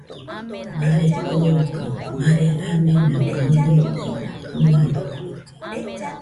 Mare kookɨ mare amena maɨridena fɨnua.